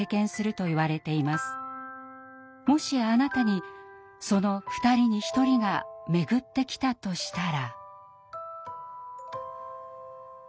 もしあなたにその２人に１人がめぐってきたとしたら。